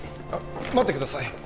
待ってください